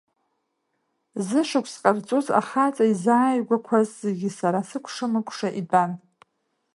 Зышықәс ҟарҵоз ахаҵа изааигәақәаз зегьы сара сыкәша-мыкәша итәан.